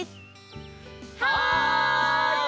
はい！